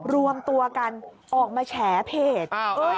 รวมตัวกันออกมาแฉเพจ